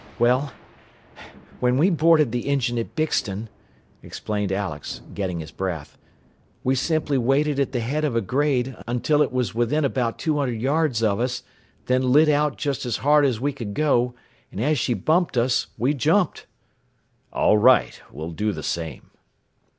"Well, when we boarded the engine at Bixton," explained Alex, getting his breath, "we simply waited at the head of a grade until it was within about two hundred yards of us, then lit out just as hard as we could go, and as she bumped us, we jumped." "All right. We'll do the same."